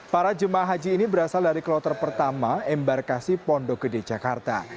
para jemaah haji ini berasal dari kloter pertama embarkasi pondok gede jakarta